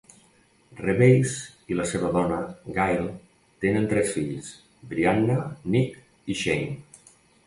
Reveiz i la seva dona, Gail, tenen tres fills: Bryanna, Nick i Shane.